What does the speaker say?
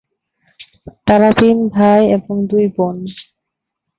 তারা তিন ভাই এবং দুই বোন।